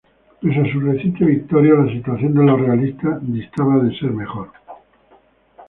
Pese a su reciente victoria, la situación de los realistas distaba de ser mejor.